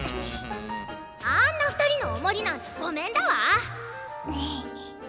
あんな２人のお守りなんてごめんだわ！